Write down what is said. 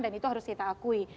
dan itu harus kita akui